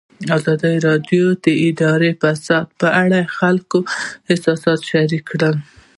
ازادي راډیو د اداري فساد په اړه د خلکو احساسات شریک کړي.